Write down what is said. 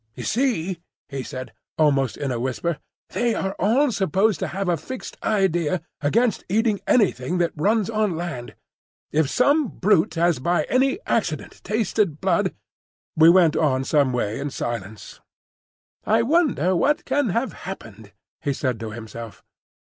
"You see," he said, almost in a whisper, "they are all supposed to have a fixed idea against eating anything that runs on land. If some brute has by any accident tasted blood—" We went on some way in silence. "I wonder what can have happened," he said to himself.